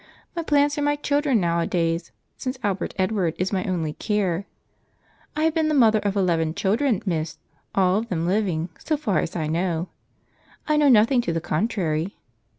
My plants are my children nowadays, since Albert Edward is my only care. I have been the mother of eleven children, miss, all of them living, so far as I know; I know nothing to the contrary.